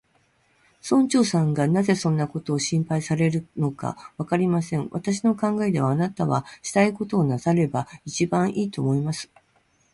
村長さんがなぜそんなことを心配されるのか、わかりません。私の考えでは、あなたはしたいことをなさればいちばんいい、と思います。